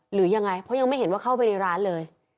หรือยังไงเพราะยังไม่เห็นว่าเข้าไปในร้านเลย